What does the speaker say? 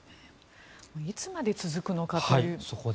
いつまで続くのかという。